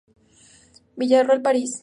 Villarroel París.